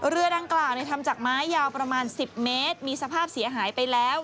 เรือดังกล่าวทำจากไม้ยาวประมาณ๑๐เมตรมีสภาพเสียหายไปแล้ว